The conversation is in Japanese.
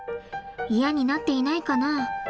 嫌になっていないかな？